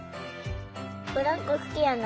ブランコ好きやな。